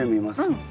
うん。